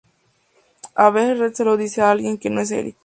A veces Red se lo dice a alguien que no es Eric.